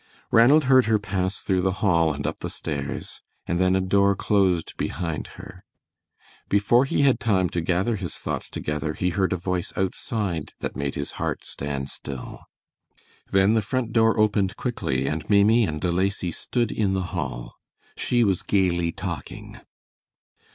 Ranald heard her pass through the hall and up the stairs and then a door closed behind her. Before he had time to gather his thoughts together he heard a voice outside that made his heart stand still. Then the front door opened quickly and Maimie and De Lacy stood in the hall. She was gayly talking.